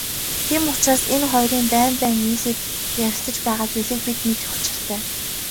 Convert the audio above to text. Ийм учраас энэ хоёрын байн байн нийлээд ярилцаж байгаа зүйлийг бид мэдэх учиртай.